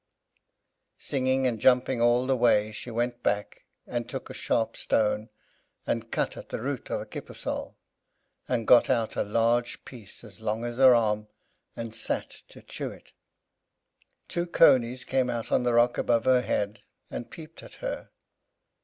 Singing and jumping all the way, she went back, and took a sharp stone, and cut at the root of a kippersol, and got out a large piece, as long as her arm, and sat to chew it. Two conies came out on the rock above her head and peeped at her.